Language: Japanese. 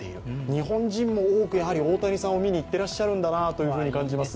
日本人も多く、大谷さんも見に行っていらっしゃるんだなと感じます。